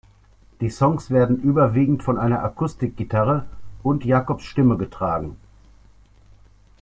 Die Songs werden überwiegend von einer Akustikgitarre und Jacobs Stimme getragen.